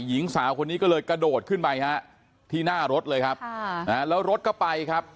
หญิงสาวคนนี้ก็เลยกระโดดขึ้นไปฮะที่หน้ารถเลยครับแล้วรถก็ไปครับ